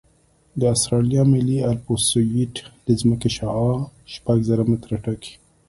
د اسټرالیا ملي الپسویډ د ځمکې شعاع شپږ زره متره ټاکي